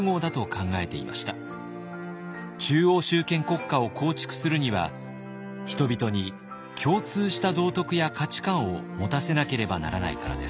中央集権国家を構築するには人々に共通した道徳や価値観を持たせなければならないからです。